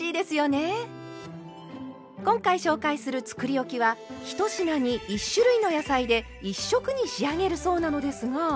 今回紹介するつくりおきは１品に１種類の野菜で１色に仕上げるそうなのですが。